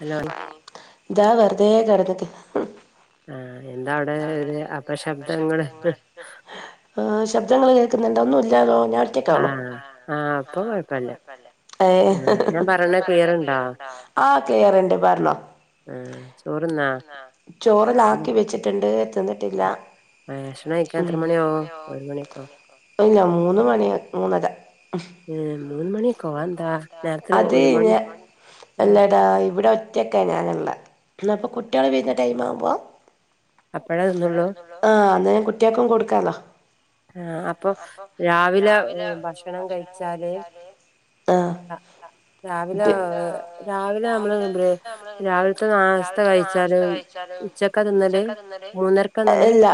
Hello ഇതാ വെറുതെ കിടന്നിട്ട് ആഹ എന്താ അവിടെ അപശബ്ദങ്ങൾ ആ ശബ്ധം ങ്ങൾ കേൾക്കുന്നുണ്ട് ഒന്നും ഇല്ലാല്ലോ ആഹ ആഹ അപ്പ കൊഴപ്പല്ല ഏ ആ ഞാൻ പറയണ ക്ലിയർണ്ടോ ആ ക്ലിയറിൻ്റ് പറഞ്ഞോ ആ ചോറ്ന്നാ ഇല്ല ചോറല്ലാക്കി വെച്ചിട്ട് ഇണ്ട് തിന്ന്ട്ടില്ല ആ, ഭക്ഷണം കഴിക്കാൻ എത്ര മണിയാവും ഒരു മണിയൊക്കോ ഇല്ല മൂന്ന് മണി മൂന്നര ഏ മൂന്ന് മണിയൊക്കെവാ എന്താ നേരത്തിന് അത് ഒരു മണി ഞാൻ ആ അല്ലടാ ഇവിടെ ഒറ്റൊക്കെ ഞാനുള്ള എന്നപ്പൊ കുട്ടികള് വരുന്ന ടൈം ആവുമ്പോ അപ്പഴേ തിന്നുള്ളൂ ആഹ കുട്ടിയക്കും കൊടുക്കാലോ ആഹ അപ്പൊ രാവിലെ ഭക്ഷണം കഴിച്ചാല് ആഹ ര- രാവിലെ രാവിലെ നമ്മള് രാവിലത്തെ നാസ്ഥ കഴിച്ചാലും ഉച്ചക്കതിന്നാ... ഇല്ല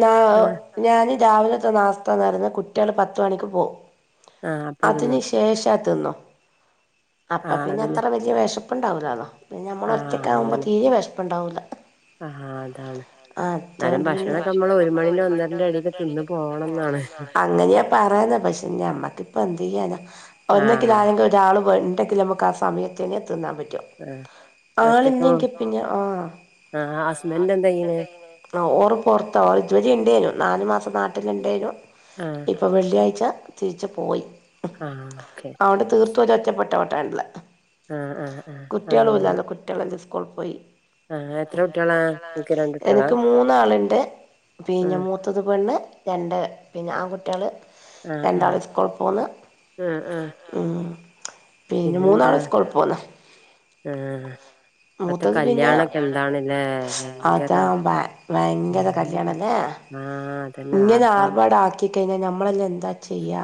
ന ആ ഞാൻ രാവിലെ നാസ്ത പറയുന്ന കുട്ടികള് പത്തുമണിക്ക് പോവും ആ അപ്പഴ അതിന് തിന്നും ശേഷം തിന്നും ആ അപ്പ പിന്നെ അതിന് അത്ര വലിയ വിശ പ്പിണ്ടാവില്ലല്ലോ പിന്നെ നമ്മള ആഹ് ഒറ്റക് ആകുമ്പോൾ തീരെ വെഷപ്പിണ്ടാക്കുല ആ അതാണ് ആ അ ഭക്ഷണൊക്കെ നമ്മള് ഒരു മണിന്റെ ഒന്നരന്റെ ഇടക്ക് തിന്ന് പോണംന്നാണ് അങ്ങനെയ പറയാ പക്ഷെ നമ്മക്കിപ്പ എന്ത് ചെയ്യാന ഒന്നെങ്കിലും ആഹ് ആരെങ്കും ഒരാള് എണ്ടെങ്കിലും നമ്മുക്ക് ആ സമയത്ത് തിന്നാൻ പറ്റു ആഹ് ഒറ്റക്ക് ആളിഞ്ഞെങ്കി പിന്ന ആ ആഹ് ഹസ്ബൻഡ് എന്താ ചെയ്യണെ ഓറ് പൊറത്ത ആളു ജോലി ഉണ്ടേനു നാല് മാസ നാട്ടിലുണ്ടായ്നു ആഹ് ഇപ്പോൾ വെള്ളിയാഴ്ച തിരിച്ച് പോയി ആഹ് ഓക്കെ അവിടെ തീർത്തു ഒരു ഒച്ചപ്പെട്ടമാറ്റല്ല ആഹ് ആഹ് ആഹ് അങ്ങനെയാണ് കുട്ടികളുമില്ലായിരുന്ന് കുട്ടികളെല്ലാം സ്കൂളി പോയി ആഹ് എത്ര കുട്ടികളാ നിങ്ങക്ക് രണ്ട് കുട്ടികളാ എനിക്ക് മൂന്നാള്ണ്ട് പിന്നെ ആഹ് മൂത്തത് പ ണ്ണ് രണ്ട് പിൻ ആൺ കുട്ടികള് ആഹ് ആഹ് രണ്ടാള് സ്കൂൾ പോന്ന് ആഹ് ആഹ് ഉം പിന്നെ പിന്നെന്താ മൂന്നാള് സ്കൂള് പോന്ന് ആഹ് ഇപ്പത്തെ മൂത്തത് പിന്നെ കല്യാണൊക്കെ എന്താണല്ലേ അതാ ഭയങ്കര ഭയങ്കര കല്യാണല്ലേ ആഹ് അതന്നെ ഇങ്ങനെ ആർഭാ ആർപാടാക്കി കഴിഞ്ഞാ നമ്മളെല്ലാം എന്താ ചെയ്യാ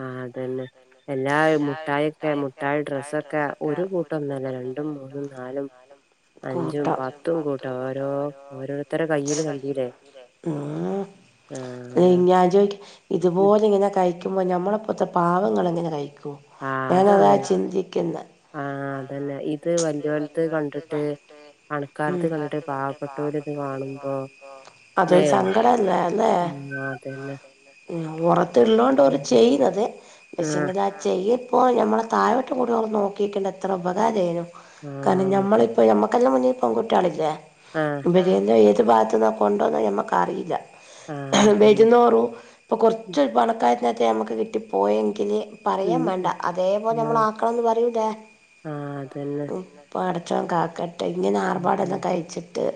ആഹ് അതന്നെ എല്ലാ മുട്ടായി മുട്ടായൊക്കെ മുട്ടായി ഡ്രസ്സൊക്കെ ഒരു കൂട്ടംന്നല്ല രണ്ടും മൂന്നും നാലും അഞ്ചും പത്തും കൂട്ടം കൂട്ടാ ഓരോ കയ്യില് ഓരോരുത്തരെ കയ്ൽ കണ്ടീല്ലേ കണ്ടില്ലേ ആഹ് ഞാൻ ചോദിക്ക്‌ ഉം ഇതുപോലെ ഇങ്ങനെ കഴിക്കുമ്പോ നമ്മലളെപോത്ത പാവങ്ങൾ എങ്ങനെ കഴിക്കും ആഹ് ഞാനതാ അതാണ് ചിന്തിക്കുന്ന ആഹ് അതന്നെ ഇത് വലിയ പോരത്ത് കണ്ടിട്ട് പണക്കാലത്ത് കണ്ടിട്ട് പാവപ്പെട്ടവല് ഇത് കാണുമ്പോൾ അതൊരു സങ്കടല്ലേ അല്ലേ ഉം അതന്നെ ഉറത്തുള്ളതോണ്ട് അവര് ചെയ്യുന്നത് ആഹ് പക്ഷെവര് ആ ചെയ് അപ്പോൾ ഞമ്മെ താഴോട്ട് കൂടിയൊന്നന്ന് നോക്കിയിട്ടുണ്ട് എത്ര ഉപകാരായിരുന്നു കാരണം ആഹ് അതെ ഞമ്മളിപ്പ മ്മക്കെല്ലാം മുന്നേിൽ പെൺകുട്ടികളില്ലേ ആഹ് ഈ ഭാഗത്ത നിപ്പോണ്ടോന്ന് നമുക്കറിയില്ല ആഹ് അതന്നെ വരുന്നോറുംതോറും ഇപ്പൊ കുറച്ച് പണക്കാരനകത്ത് നമുക്ക് കിട്ടിപ്പോയെങ്കില് ഉം പറയാൻ വേണ്ട ഉം അതേപോലെ നമ്മൾ ആഹ് ആക്കണംന്ന് പറയൂല ആഹ് അതന്നെ ഉം പടചോൻ കാക്കട്ട ഇങ്ങനെ ആർബാടെല്ലാം അതന്നെ കഴിച്ചിട്ട്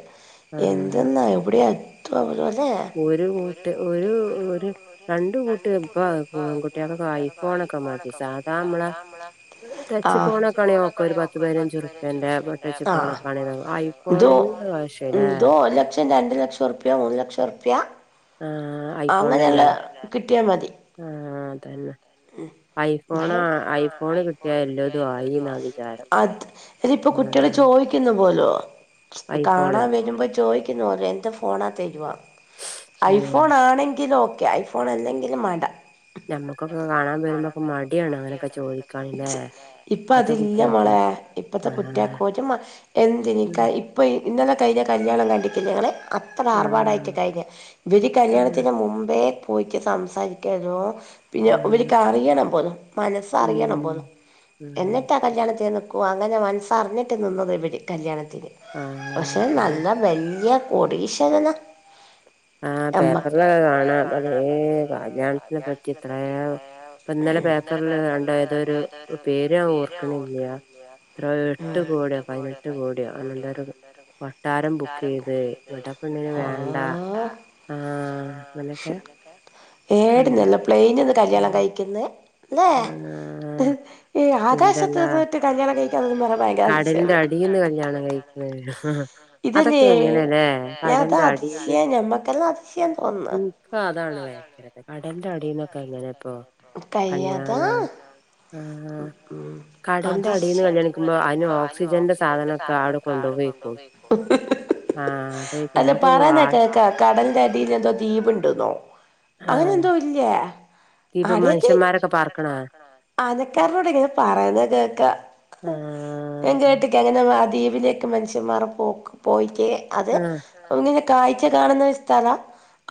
ആഹ് എന്തെന്നാണ് എവിടൊണ് [inaudible] ഒരു കൂട്ട് ഒരു ഒരു രണ്ട് കൂട്ടി ഇപ്പൊ പെൺകുട്ടികൾക്കൊക്കെ ഐഫോണൊക്കെ മതി സാധാ നമ്മള ടച്ച് ഫോണൊക്കെ ആണെ നോക്ക ഒരു പത്തു പതിനഞ്ച്റുപ്പേന്റെ ടച്ച് ഫോണൊക്കെ ആണെങ്ക നോ ഐഫോണന്നെ വേ എന്തോ ഒരു ലക്ഷം രണ്ടു ലക്ഷം റുപ്യ മൂന്ന് ലക്ഷം റുപ്യ ആ ഐഫോണല്ലേ ആ അതന്നെ മ് ഐഫോണ ഐഫോണ് കിട്ടിയാ എല്ലതും ആയിന്നാ വിചാരം അ അതിപ്പോ ആഹ് കുട്ടികള് ചോദിക്കുന്നു പോലോ ഐഫോണ് കാണാൻ വരുമ്പോൾ ചോദിക്കുന്നു എന്ത ഫോണാ തരുവാ തന്നെ ഐഫോൺ ആണെങ്കിലും ഓക്കെ ഐഫോൺ അല്ലെങ്കിലും മാണ്ട മ്മക്കൊക്കെ കാണാൻ വരുമ്പൊക്കെ മടിയാണ് അങ്ങനൊക്കെ ചോദിച്ചത് ഇപ്പൊ ഇപ്പത്തെ അതില്ല മോളെ കുട്ടികൾക്ക് ളെ ഇപ്പത്തെ ആഹ് കുട്ടികക്ക് ഒരു മ എന്തിൻ ആഹ് കഴിപ്പ് ഇന്നലെ കയ്യിഞ്ഞകല്യാണം കണ്ടിക്ക ഇങ്ങള് അത്ര ആർഭാടായിട്ട് കഴിഞ്ഞ ഇവര് ആഹ് കല്യാണത്തിന് മുമ്പേ പോയ്‌ക്കസംസാരിക്കാനോ പിന്നെ ആഹ് ഇവരക്ക് അറിയണം പോലും മനസ്സറിയണം ഉം പോലും ഉം എന്നിട്ടാ കല്യാണത്തേന് അങ്ങനെ മനസ്സറിഞ്ഞിട്ട് നിന്നത് ഇവര് കല്യാണത്തിന് ആഹ് പക്ഷേ അതന്നെ നല്ല വല്യ കോടിശ്വരനാ ആഹ് പേപ്പറിലൊക്കെ കാണാ ഏ കല്യാണത്തിനെ പറ്റി ഇത്ര ഇപ്പ ഇന്നലെ പേപ്പറിൽ നേണ്ട ഒരു പേ പേര് ഓർക്കണില്ല എട്ട് കോടിയോ പതിനെട്ട് കോടിയോ [unintelligible] താരം ബുക്ക് ചെയ്ത് ഇവിട പെണ്ണിന് വേണ്ട കൊണ്ടുവന്നിട്ട ആ നിലക്കെ ഏടന്നല്ല പ്ലെയിന നിന്ന് കല്യാണം കഴിക്കന്ന് ല്ലെ ആഹ് ഈ എന്തല്ലാ ആകാശത്ത്ന്നിട്ട് കല്യാണം കഴി കടലിന്റെ അടിന്ന് കല്യാണം കഴിക്ണ് അതൊക്കെ ഇതല്ലേ എങ്ങനെയല്ലേ അതാ കടൽന്റ അടിന്ന് അതിശയം ഞമ്മക്കെല്ലാം അതിശയം തോന്നുന്നു എനിക് അത യ കടലിന്റെഅടിന്നൊക്കെ എങ്ങനെ ഇപ്പോ കഴിയാതാ കല്യായാണം ഉം അത് ശ കല്യാണിക്കുമ്പോ അയിന് അതിന് ഓക്സിജന്റെ സാധനൊക്കെ സാധനമൊക്കെ ആടെ കൊണ്ടു കൊണ്ടോവേക്കും. പോയിക്കും ആഹ് അതായിരിക്കും അല്ലെ നമുക്ക് പറാന വാ കേക്ക കടലിറെ അടിൽ എന്തോ ദീപ് ഇണ്ടെന്നോ അങ്ങനെ ആഹ് എന്തോ ഇല്ല തീപ ആദ്യായിട്ട് മനുഷ്യന്മാരൊക്കെ മനുഷ്യ മാരൊക്കെ പാർക്കണ അതെ [unintelligible] പറയേണ കേക്ക ആഹ് അത് [unintelligible] ദ്വീപിലക്ക് മനുഷമാര് പോക് പോയിക്ക അത് ആഹ് [unintelligible] കാഴ്ച കാണുന്ന സ്ഥലം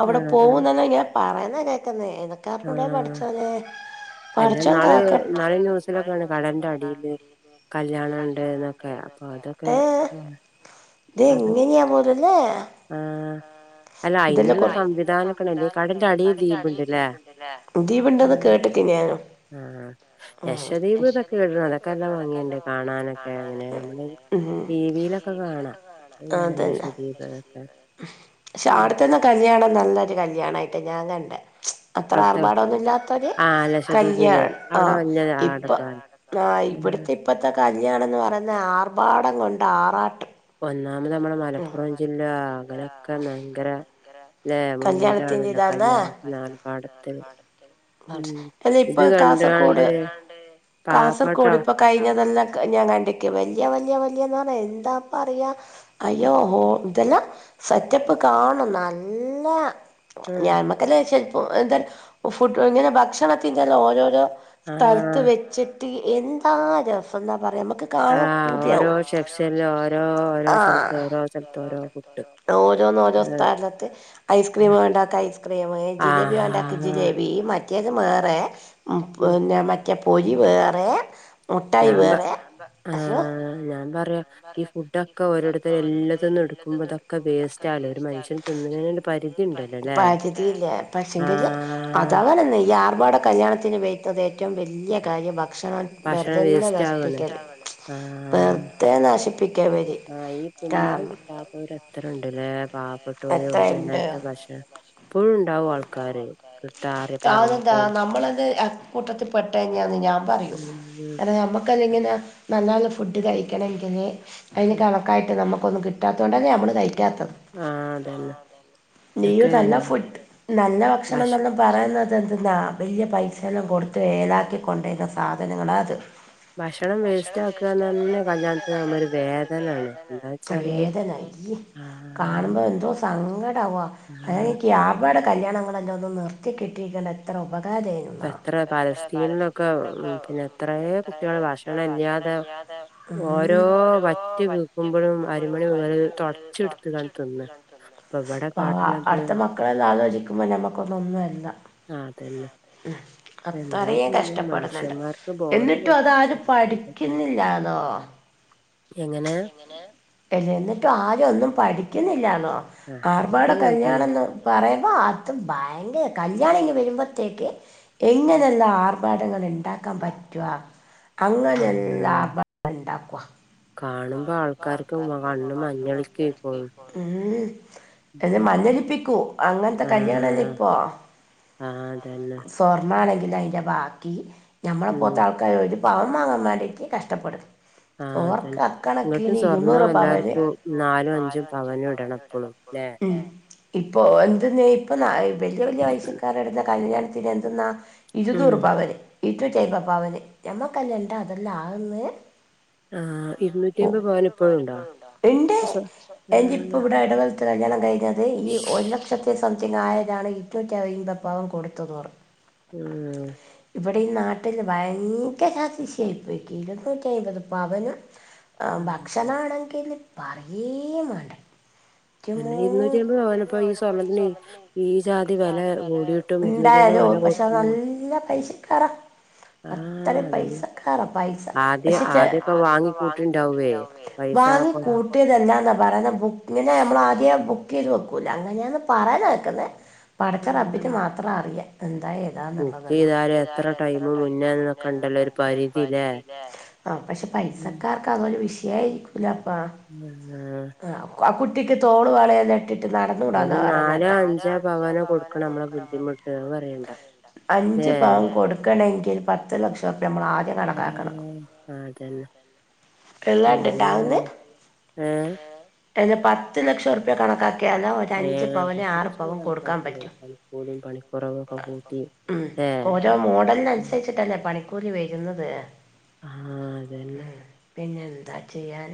അവിടെ ആഹ് പോക ആഹ് എന്നല്ല ഞാൻ പറയുന്ന കേൾക്കുന്ന അനക്കാാരന കൂടെ ആഹ് പഠിച്ചനെ പഠിച്ചൻ ക ന്നാള് ന്യൂസിലൊക്കെ വന്നു കടന്റെ അടിയില് കല്യാണം ഇണ്ട് എന്നൊക്കെ അപ്പൊ അതൊക്കെ [inaudible] ഏഹ് ഇത് എങ്ങനാ ആഹ് അല്ല [unintelligible] അയിനുള്ള അതിനുള്ള സംവിധാനൊക്കെണ്ടല്ലേ സംവിധാനക്കെണ്ട്. അടീ കടലിന്റെ ടീല് ദ്വീപ്ണ്ട്ല്ലേ? ദ്വീപ്ണ്ടല്ലേ. ദീപ ണ്ടെന്ന് കേട്ടിക്ണ്ട് പിന്നാനോ ആ ലക്ഷദ്വീപ് ഇതൊക്കെടണം നടക്കാൻഎല്ലാം ഭംഗിയുണ്ട് കാണാനൊക്കെ അങ്ങനെ നമ്മള് ഉം ടി വി ടീവിലൊക്കെ കാണാം എങ്ങനെ എന്റെ ശ്രതി ക്ഷെ അവിടത്തന്ന കല്യാണം നല്ലൊരു കല്യാണായിട്ട് ഞാൻ കണ്ടി അത്ര അവിടുത്തെ ആർഭാടൊന്നുംല്ലാത്തത് ആ ലക്ഷദ്വീപില് കല്യാണ് അവിടെ ആഹ് വല്യ ഇപ്പ ആഡംബരാണ് ആ പിന്നെ ഇവിടുത്തെ ഇപ്പത്തെ ക കല്യാണെന്ന് പറയുന്ന ആർഭാടം കൊണ്ട് ആറാട്ട് ഒന്നാമത് നമ്മടെ മലപ്പുറം ജില്ല അങ്ങനെയൊക്കെ ഭയങ്കര ല്ലേ കല്യാണത്തിന്റെ മുന്നിലാണല്ലോ ഇതാന്ന് കല്യാണത്തിൻ ആർ ഭാടത്തിൽ അല്ല ഇപ്പൊ കാസർകോഡ കാസർകോഡ പാവപ്പെട്ടോ ഇപ്പൊ കഴിഞ്ഞതെല്ലാം ഞാൻ കണ്ടക്ക് വല്യ വല് വല്യന്ന് എന്താ പറയാ ഉം അയ്യോ ഹ ഇതെല്ലാം സെറ്റപ്പ് കാണും നല്ല ഞായമക്കല്ല ശ എന്താല ഫുഡ് ഇങ്ങനെ ഭക്ഷണത്തിന്തായാം ഓരോരോ സ്ഥലത്ത് ആഹ് വെച്ച് എന്താ രസം എന്നാ പറയുമ്പ കാണുമ്പോ ആഹ് പുതി ഓരോ ആവും [inaudible] സെക്ഷനിലും ഓരോ ഓരോ സ്ഥലത്ത് ഓരോ സ്ഥലത്ത് ഓരോ ഫുഡ് ഓരോന്ന് ഓരോ സ്ഥലത്ത് ആഹ് ഐസ്ക്രീമണ്ടാക്ക ഐസ് ക്രീം ജിലേബി ഉണ്ടാക്ക ആഹ് ജിലേബി മറ്റേത് വേറെ പിന്നെ മറ്റേ പൊരി വേറെ മുട്ടായി വേറെ ആ അയ്യോ ഞാൻ പറയാ ഈ ഫുഡൊക്കെ ഓരോത്തർ എല്ലാത്തന്നും എടുക്കുമ്പോ ഇതൊക്കെ വേസ്റ്റ് ഒരു മനഷ്യൻ തിന്നുന്ന പരിധ പരിധിയില്ല പക്ഷെങ്കില് അത ആഹ് അവനന്നെ ഈ ആർഭാടെ കല്യാണത്തിന് വയക്കുന്നത് ഏറ്റ ഏറ്റവും വലിയ കാര്യം ഭക്ഷണം വെർതല്ല നശിപ്പിക്കല് ആ വെറുതെ നശിപ്പിക്കാ ഇവര് ആ ഈ തന്നാൻ കാരണം കിട്ടാത്തവര് എത്ര ഉണ്ട്ല്ലേ പ എത്രയുണ്ട് പെട്ടോര്നേരത്തെ ഭക്ഷണം എപ്പോഴും ഉണ്ടാവും ആൾക്കാര് കിട്ടാറ് അതെന്താ പറയാത്തോര് നമ്മളത് കൂട്ടത്തിൽപെട്ട തന്ന്യാന് ഞാൻ പറയും കാരണം നമുക് ല്ലെങ്കി ന്നെ നല്ല നല്ല ഫുഡ് കഴിക്കണമെങ്കിൽ അതിന് ഉം കണക്കായിട്ട് നമുക്കൊന്ന കിട്ടാത്തത കൊണ്ടന്നെ നമ്മള് കഴിക്കണം ആഹ് അതന്നെ ഇതൊക്കെ നല്ല നല്ല ഭക്ഷണം ഭക്ഷ ന [inaudible] പറയുന്നത് എന്ത്ന്നാ വലിയ പൈസയെല്ലാം കൊടുത്ത് വഏലാക്കി കൊണ്ടരുന്ന സാധനങ്ങള അത് ഭക്ഷണം വേസ്റ്റ് ആക്കുകന്ന് പറഞ്ഞ ആക്കൻന്നെ കല്യാണത്തിന് ഒരു വേദനാണ് എന്താ കല്യാണത്തിരു വെച്ചാല് വേദനാണ് ഉം ആഹ് കാണുമ്പോ എന്തോ സങ്കടം ആകവാ അ ആഹ് [unintelligible] കല്യാണങ്ങൾ എല്ലാം ഒന്നും നിർത്തി കിട്ടിയിരിക്കണ് എത്ര ഇപ്പം ഉപകാരമായിരുന്നു എത്ര ഫലസ്തീനിലൊക്കെ ഉം പിന്നെ എത്രേ കുട്ടികൾ ഭക്ഷണം ഇല്ലാതെ ഓരോ വറ്റ് വീക്കുമ്പോഴും അരമണി മുതൽ തുടച്ച് എടുത്ത് കാണ് തിന്ന അപ്പൊ ഇവിടെ അ കാട്ടണത് അടുത്ത മക്കളെ ആലോചിക്കുമ്പോ നമ്മുക്ക് ഒന്നും ഒന്നുമല്ല ആ അതന്നെ എന്താ അത്രയും ചെയ്യക കഷ്ടപ്പെടുന്നുണ്ട് മനുഷ്യന്മാർക്ക് ബോധം എന്നിട്ടും കൊടുക്കല്ല അതാരും എന്താ ചെയ്യാ പഠിക്കുന്നില്ലാന്നോ എങ്ങനെ അല്ല എന്നിട്ടും ആര ഒന്നും പഠി കുന്നില്ലന്നോ ആ ആർബാട ഇങ്ങട്ടും അങ്ങനെ കല്യാണം തന്നെ എന്ന് പറയുമ്പോ അതും ഭയങ്ക കല്യാണി ഇങ്ങ് വരുമ്പോത്തേക്ക് ഉം. എങ്ങനെയുള്ള ആർഭാടങ്ങൾ ഉണ്ടാക്കാൻ പറ്റുവാ ആ അങ്ങനെയെല്ലാ ആ ഉണ്ടാക്കുക കാണുമ്പോ ആൾക്കാർക്ക് കണ്ണ് മഞ്ഞളിക്കെ [unintelligible] എന്ന് മഞ്ഞളിപ്പിക്കൂ അങ്ങനത്തെ ആ കല്യാണല്ലേ ഇപ്പൊ ആ അതന്നെ നമ്മളാണെങ്കില് അതിൻ്റെ ബാക്കി നമ്മളെ ഉം പോലത്തെ ആൾക്ക് ഒരു പാവൻ വാങ്ങാൻ വേണ്ടിയിട്ട് കഷ്ടപ്പെടും ആ അതന്നെ ഓർക്ക് ഇങ്ങോട്ടും അക്കണക്കിന് സ്വർണം ഇരുന്നൂറ് പവന് എല്ലാർക്കും നാലും അഞ്ചും പവനും ഇടണം എപ്പഴും ല്ലേ ഇപ്പോൾ എന്തെന്ന് ഇപ്പം വലിയ വലിയ വയസ്സക്കാർ ഇടുന്ന കല്യാണത്തിന് എന്തെന്നാ ഉം ഇരുന്നൂറ് പവന് ഇരൂറ്റയമ്പത് പവന് ഞമ്മക്കല്ല ഇണ്ടാ അതെല്ല ആന്ന് ആഹ് ആ ഇരുന്നൂറ്റിയമ്പത് പവന് ഇരുനൂറ്റിയമ്പത് ഇപ്പഴും പവൻ ഇപ്പോഴും ഉണ്ടോ? ഇണ്ട് സൊ എൻ്റെ ഇപ്പ ആഹ് ഇവിടെ ഇടവക കല്യാണം കഴിഞ്ഞത് ഈ ഒരു ലക്ഷത്തി സംതിങ് ആയതാണ് ഏറ്റ ഞാൻ ഇന്ത പവൻ കൊടുത്തുന്ന് പറഞ്ഞു ഉം ഇവിടെ ഈ നാട്ടിൽ ഭയങ്ക പവനും [unintelligible] ആ ആഹ് ഭക്ഷണ ആഹ് ആണെങ്കില് പറയേമം വേണ്ടേ എൻ്റമോ തന്നെ ഇരുന്നൂറ്റിയമ്പത് ഇരുനൂറ്റി പവന് ഇപ്പൊ അമ്പത് പവനോ ഈ സ്വർണ്ണത്തിന് ഈ ജാതി വെല ഉണ്ടാക്കിയതോ അല്ലെ കൂടിയിട്ടും ഇരുന്നൂറ്റിയമ്പത് ഉണ്ടായാലോ പവന് പക്ഷെ കൊടുക്ക്ണ് നല്ല പേസ്‌കാര ആഹ് അത്രയും അതാണ് പൈസ കരാ പൈസ ആദ്യം പക്ഷേ ചെ ആദ്യൊക്കെ വാങ്ങി ആത്പ്പം കൂട്ടിണ്ടാവേ വാങ്ങിക്കൂട്ടിണ്ടാവേ പൈസ വാങ്ങി കൊ കൂട്ടിയതല്ലാെന്നാ പറയുന്നത് ബുക്കന് ഇങ്ങനെ നമ്മളാദ്യം ബുക്ക് ചെയ്ത് വെക്കൂല അങ്ങനെയാണ് പറയാന കേക്കുന്ന പടച്ച ആഹ് റബിന് മാത്രം അറിയാം ഏതാന്ന് അള്ളാക്കറിയാം ബുക്കെയ്താല് ഇതര് എത്ര ടൈമ് ടൈമും മുന്നേന്നൊക്കെ ഇണ്ടല്ലോ മുന്നേക്കണ്ടല്ലോ ഒരു പരിധി ല്ലേ പരിധില്ലേ പക്ഷെ ഉം പൈസക്കാർക്ക് അതൊരു വിഷ ശരിക്കലപ്പാ ആഹ് ആ ആ കുട്ടിക്ക് തോള് വളയെ യിട്ട് നടന്നൂടാന്ന ഒരു പറന്നത് നാലോ കേട്ടാ അഞ്ചോ പവനോ കൊടുക്കണം നമ്മളെ ബുദ്ധിമുട്ട് അത് പറയണ്ട ഏ അഞ്ച പവൻ കൊടുക്കണെങ്കിൽ പത്ത് ലക്ഷ ഇപ്പം നമ്മള് ആദ്യം കണക്കാക്കണം ഉം, അതന്നെ എന്ത് എല്ലാണണ്ടാവന്ന് ചെയ്യാനാ ഏ ആ എന്നാപത്ത് ലക്ഷം രുപ്യ കണക്കാ ഒക്കേല് ഒരു ഏ അഞ്ച് പവന് അല്ലെിൽ പത്ത് ആറ് ലക്ഷം രൂപ പവന് കണക്കാക്കണ്ടേ പറ്റും പണിക്കൂലിയും പണിക്കുറവും ഒക്കെ കൂട്ടി ഉം ഏ ഓരോ ഉം. മോഡലിനനുസരിച്ചിട്ടെ പണിക്കൂലി വരുന്നത് ആ അതന്നെ പിന്നെ എന്താ ചെയ്യാൻ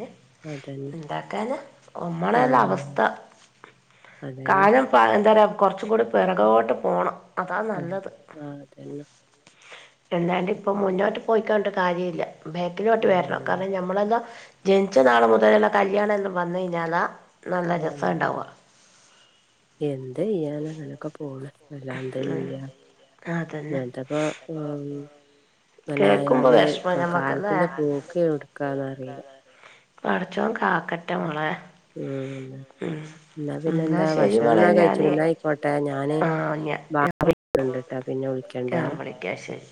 അതന്നെ എന്താക്കാന് നമ്മുടെ ആ ഒരു അവസ്ഥ അതന്നെ കാലം പയങ്കര കുറച്ചും കൂടി പിറകോട്ട് പോണം അതാ ഉം, നല്ലത് ആ അതന്നെ അല്ലാണ്ട് ഇപ്പം മുന്നോട്ട് പോയിക്കാണ്ട കാര്യ ഇില്ല ആ ബേക്കിലോട്ട് വരണം കാരണം നമ്മളെന്താ ജനിച്ച നാള് മുതല് ഉള്ള കല്യാണം എല്ലാം വന്നു കഴിഞ്ഞാലാ നല്ല രസം ആ. ഉണ്ടാവുക എന്ത് ചെയ്യാനാ അങ്ങനൊക്കെ പോണ് അല്ലാതെ എന്ത് ചെയ്യാൻ അതന്നെ അതപ്പോ ഉം അങ്ങനെ കേൾക്കുമ്പോ ആയാല് വിഷമം ഞമ്മക്കല്ലേ കാലത്തിന്റെ പോക്ക് എവിടത്തേക്കാന്ന് അറിയില്ല പടച്ചവൻ കാക്കട്ടെ മോളെ ആണ് അല്ലെ ഉം എന്നാ പിന്നെ എന്താ ശരി ഭക്ഷണം മോളെ എന്നാ ഞാന് കഴിച്ചിടുന്ന ആയിക്കോട്ടെ ഞാന് ആഹ് ഞാ ഞാൻ [inaudible] ട്ടാ പിന്നെ വിളിക്കണ്ടേ വിളിക്കാം വിളിക്കാം ശരി